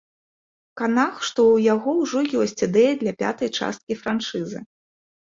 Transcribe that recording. Канах, што ў яго ўжо ёсць ідэя для пятай часткі франшызы.